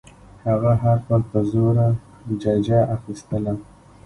هغه هر کال په زوره ججه اخیستله.